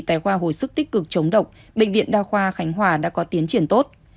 tại khoa hồi sức tích cực chống độc bệnh viện đa khoa khánh hòa đã có tiến triển tốt